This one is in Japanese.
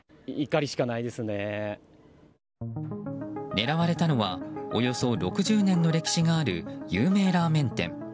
狙われたのはおよそ６０年の歴史がある有名ラーメン店。